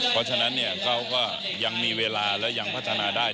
เพราะฉะนั้นเขาก็ยังมีเวลาและยังพัฒนาได้